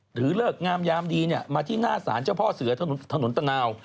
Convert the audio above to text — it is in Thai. เลิกงามยามดีมาที่หน้าศาลเจ้าพ่อเสือถนนตะนาว